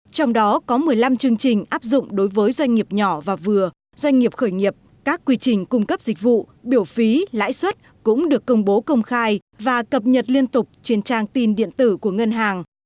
trong đó có một mươi năm chương trình áp dụng đối với doanh nghiệp nhỏ và vừa doanh nghiệp khởi nghiệp các quy trình cung cấp dịch vụ biểu phí lãi suất cũng được công bố công khai và cập nhật liên tục trên trang tin điện tử của ngân hàng